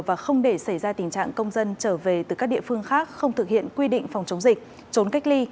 và không để xảy ra tình trạng công dân trở về từ các địa phương khác không thực hiện quy định phòng chống dịch trốn cách ly